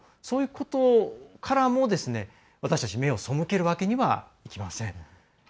そういうことからも私たち目を背けるわけにはいきません。